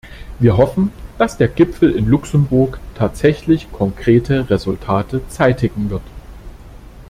Wir hoffen, dass der Gipfel in Luxemburg tatsächlich konkrete Resultate zeitigen wird.